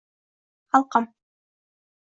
Xalqim